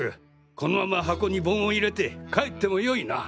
このまま箱に盆を入れて帰ってもよいな？